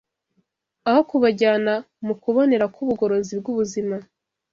aho kubajyana mu kubonera kw’ubugorozi bw’ubuzima.